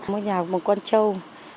một nhà có một con trâu